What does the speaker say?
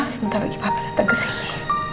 sebentar lagi papa datang kesini